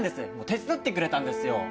手伝ってくれたんですよ。